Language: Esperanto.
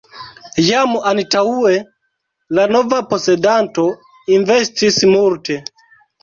Jam antaŭe la nova posedanto investis multe.